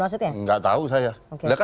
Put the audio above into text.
maksudnya enggak tahu saya